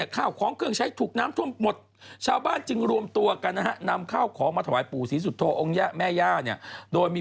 ยังไงต่างประลำพิธี